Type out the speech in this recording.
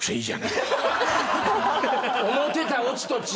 思ってたオチと違う！